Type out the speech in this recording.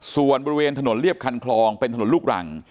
ส่วนบริเวณถนนเรียบคันคลองเป็นถนนลูกรัง